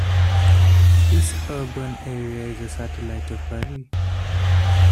This urban area is a satellite of Paris.